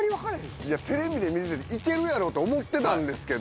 いやテレビで見てていけるやろと思ってたんですけど。